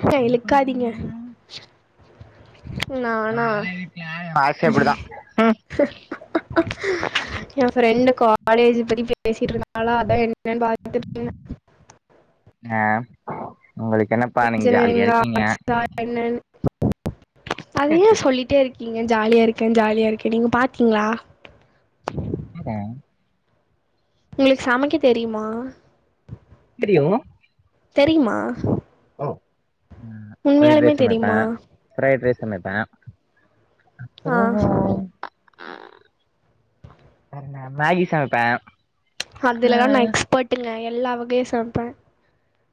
அக்கா என்ன இழுக்காதீங்க பண்றீங்க நானா நாலா வீட்ல ஆசை அப்படிதான் எ ஃப்ரெண்டு காலேஜ் பத்தி பேசிட்டு இருந்தாளா அதா என் என்னனு பாத்துட்டு இருந்த ஆ உங்களுக்கு என்னப்பா நீங்க ஜாலியா இன்ஜினியரிங்கா இருக்கீங்க ஆட்ஸ்ஸா என்னன்னு அத சரி ஏ சரி சொல்லிட்டே இருக் க்கிங்க ஜாலியா இருக்கே ஜாலியா இருக்கேன்னு நீங்க பாத்தீங்ளா அதா உங்குளுக்கு சமைக்க தெரியுமா [unintelligible] தெரியுமா ம் ஃப்ரைட் உண்மையாலுமே ரைஸ் சமைப்பே தெரியுமா ஃப்ரைட் ரைஸ் சமைப்பே ஆ அப்புறோம் இந்த மேகி சமைப்பே அதுலதா நா எக்ஸ்பர்ட்டுங்க எ எல்லா வகையு சமைப்பே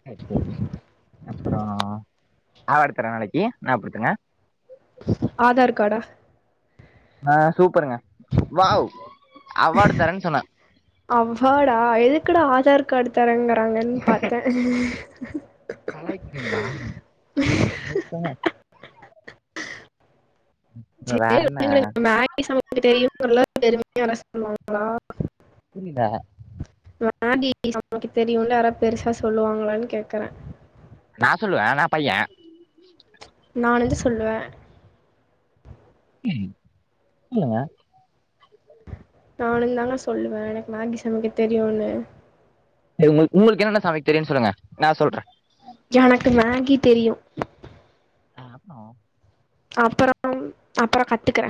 அ சேரி அப்புறோ அவாடு தர நாளைக்கி ஞாயப்படுத்துங்க ஆதார் காடா ஆ சூப்பருங்க வாவ் அவாடு தரேன்னு சொன்ன குடா ஆதார் காடு தராங்க ராங்கன் பாத்தே கலாய்கிறீங்ளா [unintelligible] வேற என்ன [unintelligible] [unintelligible] புரில [unintelligible] தெரியுல்ல யாராத் பெருசா சொல்லுவாங்களான் கேக்குறே நா சொல்லுவே நா பைய்ய நானந்து சொல்லுவ சொல்லுங்க நானு தாங்க சொல்லுவ எனக்கு மேகி சமைக்க தெரியும்னு உங்க உங்களுக்கு என்னென்ன சமைக்கு தெரியன்னு சொல்லுங்க நான் சொல்ற எனக்கு மேகி தெரியோ ஆ ஆ அப்புறம் அப்புறோ கத்துக்கற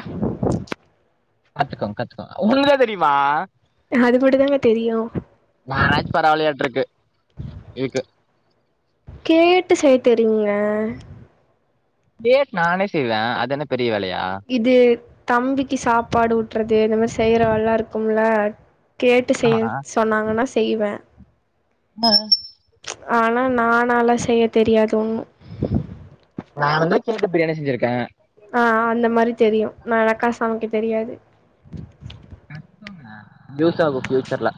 கத்துக்கோங்க கத்துக்கோங்க உங்களுக்குலா தெரியுமா அது மட்டும் தாங்க தெரியும் நானாச்சு பரவலயான்டுருக்கு இதுக்கு கேட்டு செய்ய தெரியுங்க டேட் நானே செய்வேன் அதென்ன இது தம்பிக்கு சாப்பாடு ஊட்டுறது அந்த மாரி செய்யுற வேலலா இருக்கும்ல கேட்டு ஆமா செய்ய சொன்னாங்கன்னா செய்வ ஆ ஆனா நானால்லா செய்ய தெரியாது ஒண்ணோ நானுந்தா கேட்டு பிரியாணி செஞ்சிருக்க ஆ அந்த மாரி தெரியு எனக்கா சமைக்க தெரியாது கத்துக்கோங்க யூஸ் ஆகோ ஃபியூச்சர்ல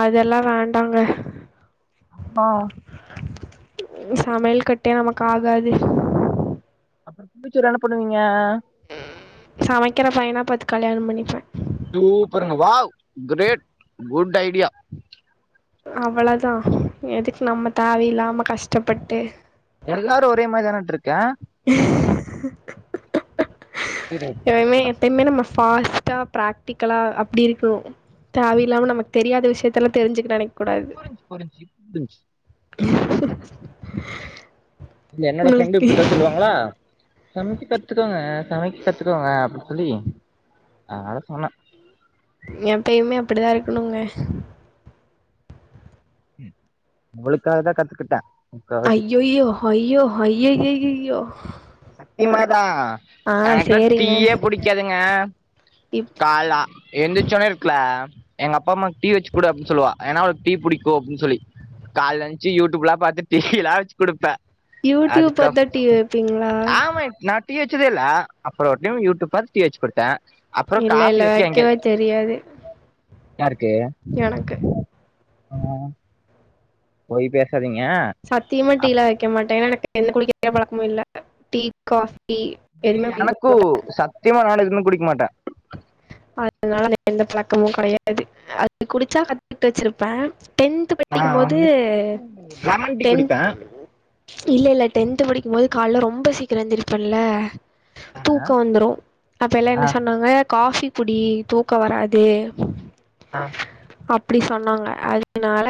அதெல்லா வேண்டாங்க அ சமையல் கட்டே நமக்கு ஆகாது அப்புறோ ஃப்யூச்சர்ல என்ன பண்ணுவீங்க சமைக்கிற பையனா பாத்து கல்யாணம் பண்ணிப்ப சூப்பருங்க வாவ் கிரேட் குட் ஐடியா அவ்வளவுதா எதுக்கு நம்ம தேவ இலாம கஷ் டப்பட்டு எல்லாரும் ஒரே மாதிரி தானே நின்ட்டுருக்க தெரியுது இனிமே இப்பதான் எப்பயுமே நம்ம ஃபாஸ்ட் பிராக்டிக்கலா அப்படி இருக்கணோ தேவ இல்லாம நமக்கு தெரியாத விஷயத்தலா தெரிஞ்சுக்க நினை புரிஞ்ச்சு புரிஞ்ச்சு புரிஞ்ச்சு [inaudible] இல்ல என்னோட ஃப்ரெண்ட் உங்களுக்கு இப்படித்தா சொல்லுவாங்களா சமைக்க கத்துக்கோங்க சமைக்க கத்துக்கோங்க அப்ப சொல்லி அதா சொன்ன எப்பயுமே அப்படிதா இருக்கணுங்க உங்குளுக்காகதா கத்துக்கிட்ட ஐயய்யோ ஐயோ ஐய்யய்யய் ஐய்யய்யோ சக்தி மாதா எனக்குலா சேரிங்க தீயே புடிக்காதுங்க இப் காலைல அ எந்திருச்சவுடனே இருக்குல எங்க அப்பம்மா டீ வச்சிக் கூடு அப்டினு சொல்லுலா ஏன்னா அவள்க்கு டீ புடிக்கு அப்டின்னு சொல்லி காலைல எந்திருச்சி யூடியூப்லா பாத்து டீ எல்லா வச்சு குடுப்பே யூடுப் அதுக்க பாத்து டீ வெப்பீங்களா ஆமா ட்நாட் டீ வெச்சுதே இல்ல அப்புறோ ஒர் டைம் யூட்டுப் பாத்து டீ வெச்சு குடுத்தே அப்றோ இல்ல காஃபி இல்ல வச்சு எங்க வெக்கவே தெரியாது தே எனக்கு அஹ் பொய் பேஸ் சத்தியமா டீலா வெக்க மாட்டே ஏனா எனக் என்ன [unintelligible] பழக்கமு இல்ல டீ காஃப் டி எனக்கு சத்தியமா நால எதுமே குடிக் மாட்டே அதுனால எந்த பழக்கமு கெடையாது அது குடிச்சா கத்துட்டு வெச்சுருப்பே டென்த்து நா படிக்கும்போது வந்துட்டு லெமன் டீ டென் குடிப்பே இல்லல்ல டென்த் படிக் க்கும்போது கால்ல ரொம்ப சீக்கிர எந்திருப்பேன்ல தூக்க வந்துரு அப்ப எல்லா ஆ என்ன ஆ சொன்னாங்க காஃபி குடி தூக்க வராதே அஹ் அப்பிடி சொன்னாங்க அதுனால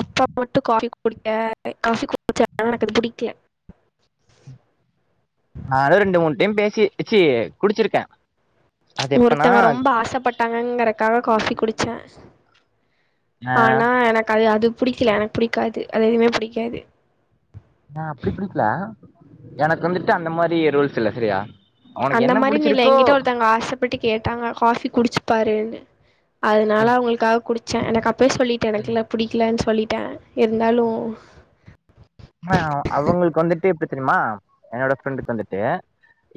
அப்ப மட்டும் காபி குடிங்க காஃபி குடிச்சதா எனக்கு பிடிக்கு நானு ரெண்டு மூண் டைம் பேசி இச்சி குடிச்சிருக்கே அது எப்பனா ஒருத்தங்க ரொம்ப ஆசப்பட்டாங்கங்குறக் க்காக காஃபி குடிச்சே ஆ ஆனா எனக் அது அது புடிக்கில எனக்கு புடிக்காது அதுவுமே பிடிக்காது நா அப்டி பிடிக்குல எனக் வந்துட்டு அந்த மாரி ரூல்ஸ் இல்ல செரியா அந்த மாரின் இல்ல எங்கிட்ட ஒருத்தவங்க ஆசப்பட்டு கேட்டாங்க காஃபி குடிச்சு பாருன்னு அதுனால அவுங்களுக்காக குடிச்சே எனக் அப் ப்பேய் சொல்லிட்டே எனக்குல புடிக்குலன் சொல்லிட் க்கே இருந்தாலு அஹா அவுங்குளுக்கு வந்துட்டு எப்பிடி தெரியுமா என்னோட ஃப்ரெண்டுக்கு வந்துட்டு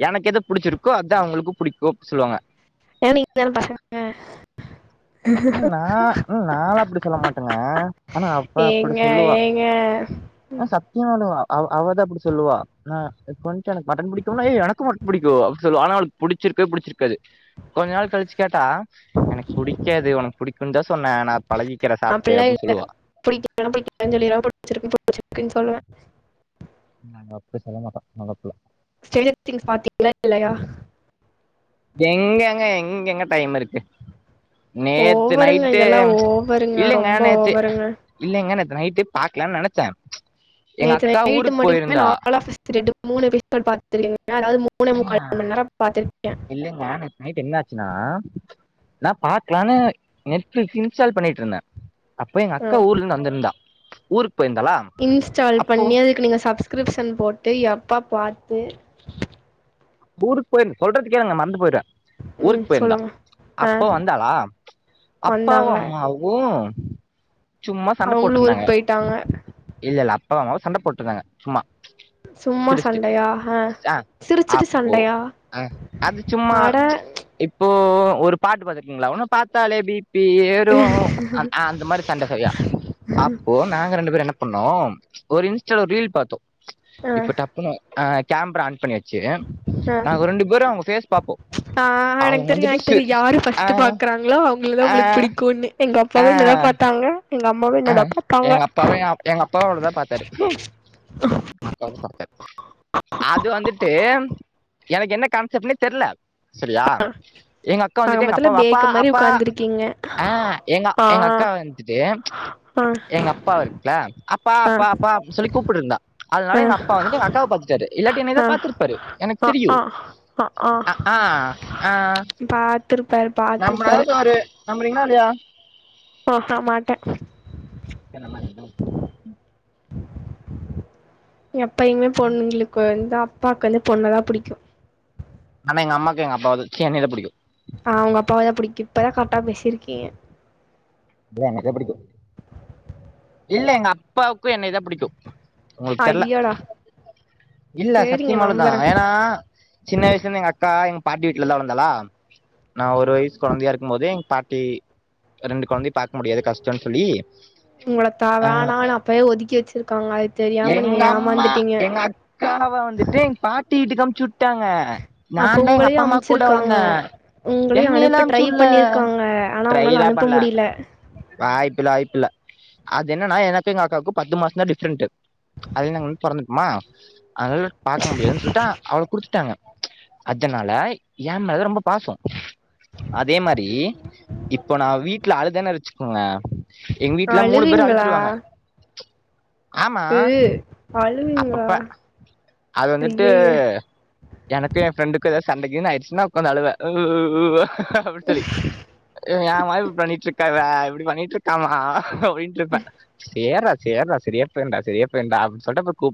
எனக்கு எது புடுச்சுருக்கோ அத்தா அவுங்களுக்கு புடிக்கு அப்டி சொல்லுவாங்க ஏன்னா நீங்க தான பசங்க ம் நா ம் நாள அப்டி சொல்ல மாட்டேங்க ஆனா அவ்வே அப்பிடி ஏங்க சொல்லுவா ஏங்க ஆனா சத்தியமா அலுவா அவ அவதா அப்டி சொல்லுவா நா இப்ப வன்ட்டு எனக் மட்டன் புடிக்கும்னா ஏய் எனக்கு மட்டன் புடிக்கோ அப்டி சொல்லா ஆனா அவுளுக்கு புடிச்சிருக்கவே புடிச்சுருக்காது கொஞ்ச நாள் கழிச்சு கேட்டா எனக் புடிக் உனக்கு புடிக்குன்னு தா சொன்னே நா பழகிக்கிறே சாப்ட்டு அப்டில்லா அப்டின்னு இல்ல சொல்லுவா புடிக்கலனா புடிக்கலன்னு சொல்லிருவே புடிச்சிருக்குனா புடிச்சிருக்குன்னு சொல்லுவே நாங்க அப்டி செல்ல மாட்டோ நல்ல புள்ள [unintelligible] திங்ஸ் பாத்தீங்களா இல்லையா எங்கங்க எங்கங்க டைம் இருக்கு நேத்து ஓவருங்க நைட்டு இதெல்லா ஓவருங்க இல்லங்க ரொம்ப நேத்து ஓவருங்க இல்லைங்க நே நைட்டு பாக்கலானு நெனச்சே எங்க நேத்து அக்கா நைட்டு ஊருக்கு மட்டுமே போயிருந்தா நா ஆ ஆபிஸ் த ரெட்டு மூணு எபிசோட் பாத்து [unintelligible] எங்க இல்லங்க நேத்து நைட் என்ன ஆச்சுன்னா நா பாக்கலானு நெட்ஃபிளிக்ஸ் இன்ஸ்டால் பண்ணிட்டு இருந்தே அப்போ எங்க ஆ அக்கா ஊர்ல இருந்து வந்திருந்தா ஊருக் இன்ஸ்டால் பண்ணி அதுக்கு நீங்க சப்ஸ்கிரிப்ஷன் போட்டு எப் எப்போ பாத்து ஊருக்கு போயிருந் சொல்றத கேளுங்க மறந்து போயிடுவே ம் ஊருக்கு போயிருந்தா சொல்லுங்க ஆ அப்போ வந்தாளா அப்பாவு வந்தாங்க அம்மாவு சும்மா சண்ட அவங்களு போட்டுடிருந்தாங்க ஊருக்கு போயிட்டாங்க இல்லல்ல போமோது சண்ட போட்டு இருந்தாங்க சும்மா சும்மா சண்டையா ஆஹா சிரிச்சுட்டு சண் ஓ அஹ அது சும்மா இப்போ ஒரு பாட்டு பாத்திருக்கீங்களா உன்ன பாத்தாலே பி பி பி யேரு அந்த மாரி சண்ட செரியா அப்போ நாங்க ரெண்டு பேரோ என்ன பண்ணோம் ஒரு இன்ஸ்டால ரீல் பாத்தோம் ஆ இப்ப டப்புணு ஆஹ் கேமரா ஆன் பண்ணியாச்சு அஹ் ஆஹ் எனக்கு அவங்க தெரியோ வந்துட்டு எனக்கு தெரியோ சிரி யாரு ஆ ஃபர்ஸ்ட் பாக்குறாங்களோ அவுங்களதா ஆ உங்களுக்கு புடிக்கோன்னு எங்க அப்பாவு என்ன தா பாத்தாங்க எங்க அம்மாவு என்னதா அஹ் பாத்தாங்க எங்க அப்பாவு எங்க அப்பாவு அவளதா பாத்தாரு அக்காவதா பாத்தாரு அது வந்துட்டு எனக்கு என்ன கான்செப்ட்ன்னு தெரியல செரியா எங்க அக்கா ஆக வந்துட்டு எங்க மொத்தல அப்பா அப்பா பேக்கு மாரி அப்பா உக்காந்துருக்கீங்க ஆஹ் எங்க ஆ எங்க அக்கா வந்துட்டு ஆ எங்க அப்பா இருக்குலா அப்பா ஆ அப்பா அப்படின்னு சொல்லி கூப்பிட்டுங்க அதனால எங்க அப்பா வந்துட்டு எங்க அக்காவ பாத்துட்டாரு இல்லாட்டி ஆ ஆ என்னதா பாத்துருப்பாரு எனக்கு ஆ ஆ தெரியும் ஆ ஆ ஆஹ் ஆஹ் பாத்துருப்பாரு நம்மள பாத்துருப்பாரு ஒரு நம்பறீங்களா கிய ஓஹ மாட்ட என்னமா இது எப்பயுமே பொண்ணுங்களுக்கு வந் தா அப்பாவுக்கு வந்து பொண்ணதா புடிக்கும் எங்க அம்மாக்கு எங்க அப்பாவதா சீ என்னயதா புடிக்கும் ஆஹ் உங்க அப்பாவைதா புடிக்கும் இப்பதா கரெட்டா பேசியிருக்கீங்க இல்ல என்னயதா பிடிக்கும் இல்ல எங்க அப்பாவுக்கும் என்னையதா புடிக்கும் உங்களுக்கு தெர்ல ஐயோடா இல்ல சேரிங்க சத்தியமாலுதா நம்புறே ஏன்னா சின்ன வயசுல இருந்து எங்க அக் அக்கா எங்க பாட்டி வீட்டுல தா வளந்தாலா நா ஒரு வயசு கொழந்தையா இருக்கும் போதே எங்க பாட்டி ரெண்டு கொழந்தைய பாக்க முடியாது கஷ்டன்னு சொல்லி உங்களத்தா ஆ வேணான்னு அப்பேயே ஒதுக்கி வச்சிருக்காங்க அது தெரியாம நீங்க எங்க அம்மா ஏமாந்துட்டீங்க எங்க சுட்டாங்க அப்ப உங்களையும் அம்ச்சிருக்காங்க உங்களையும் என்னையெல்லா அனுப்ப ட்ரை அமுச்சு உட்ல பண்ணிருக்காங்க ஆனா உங்கள ட்ரைலா அனுப்ப முடியல இல்ல அது என்னன்னா எனக்கும் எங்க அக்காவுக்கும் பத்து மாசம் தா டிஃப்ரெண்ட்டு அது நாங்க வந்து பொறந்துட்டுமா அதனால பாக்க முடியாதுன்னு சொல்லிட்டா அவள குடுத்துட்டாங்க அதனால ஏமேலதா ரொம்ப பாசம் அதே மாரி இப்போ நா வீட்ல அழுதான வச்சுக்கோங்க எங்க வீட்ல மூனு ங்களா ஆமா அப்பப்ப அழுவீங்களா அது வந்துட்டு ஐய்யய்ய எனக்கும் என் ஃப்ரெண்டுக்கும் எதா ச சண்டைக்குனு ஆயிச்சுடுனா உக்காந்து அலுவன் அப்டி சொல்லி இவன் ஏ மா இப்டி பண்ணிட்டு இருக்கா இவ எப்டி பண்ணிட்டு இருக்காமா அப்டி கிள்ப்ப சேரா சேரா சரியா போயிண்டா சரியா போயிண்டா அப்டு சொல்ட்டு அப்புற கூ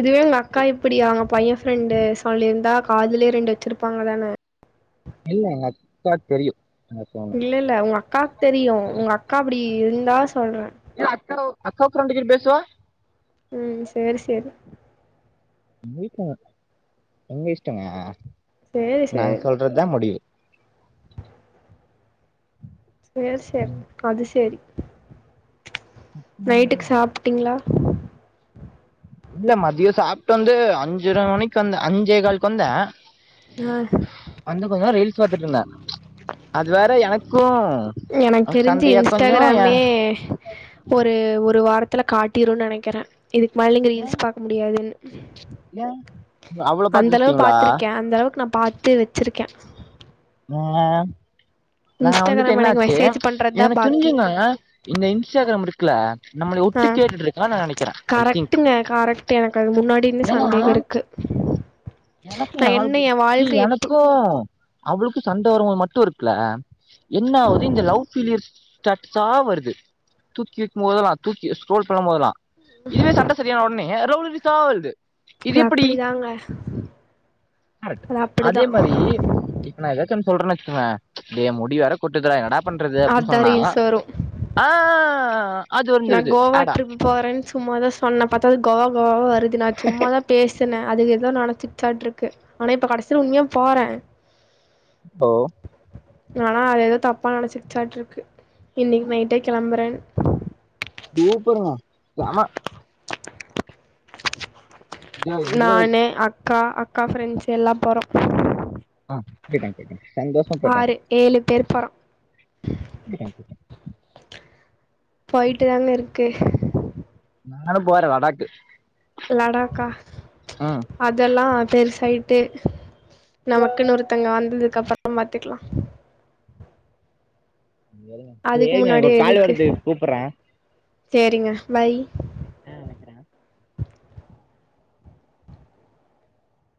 இதுவே உங்க அக்கா இப்டியா அவங்க பையன் ஃப்ரெண்டு சொல்லிருந்தா காதுலே ரெண்டு வ ச்சிருப்பாங்க தான இல்ல எங்க அக்காக்கு தெரியும் இல்ல இல்ல உங்க அக்காக்கு தெரியு உங்க அக்கா அப்புடி இருந்தா சொல்றே அக்கா அக்கா ஃப்ரெண்டு கிட் பேசுவா ம் சேரி சேரி [unintelligible] உங்க இஷ்ட்டங்க சேரி நாங் சேரி சொல்றத் தா முடிவு சேர் சேர் கது சேரி நைட்டுக் சாப்ட்டீங்ளா இல்ல மத்தியோ சாப்ட்டு வந்து ஆ அஞ்சர மணிக்கு வந்த அஞ் ஞ்சே கால்க்கு வந்த ஆ வந்து கொஞ்சோ நேரோ ரீல்ஸ் பாத்துட்ருந்த அது வேற எனக் கோ எனக் தெரிஞ்சி இன்ஸ்டாகிராமே ஒரு ஒரு வாரத் த்துல காட்டிருன்னு நெனைக்கிற இதுக்கு மேல நீங்க ஏ ரீல்ஸ் பாக்க முடியாதுன்னு ஏ அவ்ளோ பாத்து அந்த அளவு வச்சுட்டீங்களா பாத்துருக்க அந்த அளவுக்கு நா பாத்து வச்சிருக்க ம் ஆ நா வந்துட்டு இன்ஸ்டாகிராம் என்ன எனக்கு ஆச்சு மெசேஜ் பண்றதுதா எனக்கு பாக்கி தெரிஞ்சிங்க இந்த இன்ஸ்டாகிராம் இருக்கல நம்மள ஆ ஒட்டு கேட்டுட்டு இருக்கானு நா நெனைக்கிற ஐ திங்க் கரெக்ட்டுங்க கரெக்ட் எனக்கு அது முன்னாடி இருந்து ஏன்னா சந்தேக இருக்கு எனக்கு நா ஏ என்ன எ ஆள்க்கு, வாழ்க்க எப் எனக்கு அவளுக்கு சண்ட வருபோது மட்டு இருக்குல்ல என்னாவது இந்த லவ் பீலியர் ஸ்டேட்டஸ்ஸா வருது, தூக்கி வக்கியு போதெல்லா தூக்கி ஸ்க்ரோல் பண்ணு போதெல்லா இதுவே சண்ட செரியான ஒடனே லவ் ரீல்ஸ்ஸா வருது இது அது எப்டி அப்படிதாங்க கரெக்ட் அது அதே அப்படிதா மாரி இப்ப நா ஏதாச்சு சொல்றனு வச்சுங்கள டே முடி வேற கொட்டுதடா என்ன டா அதா ரீல்ஸ் வரு ஆ அது நா வந்துருது கோவா ஆடா ட்ரிப் போறன்னு சும்மாதா சொன்ன பாத்தா அது கோவா கோவாவா வருது நா சும்மாதா பேசுன அது எதோ நெனச்சிகிச்சாட்டு இருக்கு ஆனா இப்ப கடசில உண்மையா போற ஓ ஆனா அது எதோ தப்பா நெனச்சிகிச்சாட்டு இருக்கு இன்னைக்கி நைட்டே கெளம்புற சூப்பருங்க செம என்ஜாய் என்ஜாய் நான் அக்கா அக்கா ஃப்ரெண்ஸ் எல்லா போறோ ஆஹ் போய்டாங்க போய்டாங்க சந்தோஷமா போய்டாங்க ஆறு ஏழு பேர் போகிறோம் போயிட்டு தாங்க இருக்கு நானு போற லடாக்கு லடாக்கா ம் அதெல்லாம் பெருசைடு டு நமக்குன்னு ஒருத்தவங்க வந்ததுக்கு அப்பறம் பாத்துக்கலாம் அதுக்கு ஏங்க முன்னாடியே கால் வரது கூப்பிறேன் செரிங்க பாய் ஆ வெக்கிறேன்